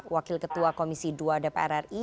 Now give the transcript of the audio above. wakil ketua komisi dua dpr ri